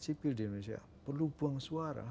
sipil di indonesia perlu buang suara